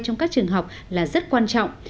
trong các trường học là rất quan trọng